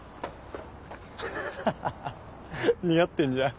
ハハハ似合ってんじゃん。